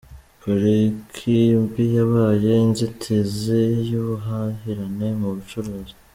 Poliki mbi yabaye inzitizi y’ubuhahirane mu bucuruzi